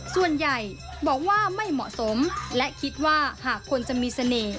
ส่วนใหญ่บอกว่าไม่เหมาะสมและคิดว่าหากคนจะมีเสน่ห์